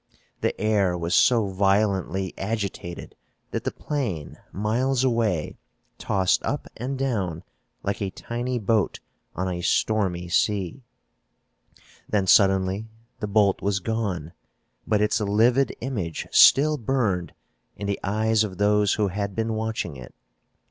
The air was so violently agitated that the plane, miles away, tossed up and down like a tiny boat on a stormy sea. Then suddenly the bolt was gone, but its livid image still burned in the eyes of those who had been watching it.